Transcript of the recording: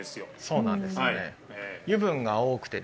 そうなんですね。